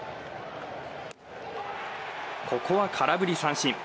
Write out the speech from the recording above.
ここは空振り三振。